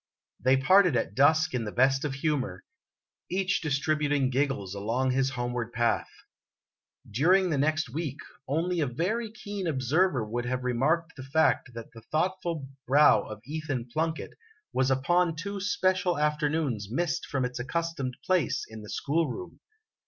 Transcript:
They parted at dusk in the best of humor, each distributing giggles along his homeward path. During the next week, only a very keen observer would have remarked the fact that the thoughtful brow of Ethan Plunkett was o upon two special afternoons missed from its accustomed place in the school room.